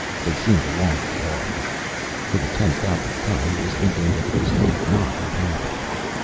They seemed a long way off. For the ten thousandth time he was thinking that this need not have happened.